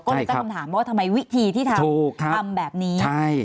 ก็เลยตั้งคำถามว่าทำไมวิธีที่ทำทำแบบนี้